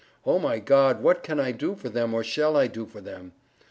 Oh my God what can I do for them or shall I do for them.